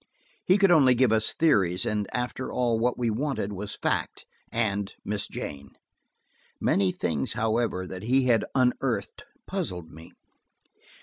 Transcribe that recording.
He could only give us theories, and after all, what we wanted was fact–and Miss Jane. Many things, however, that he had unearthed puzzled me.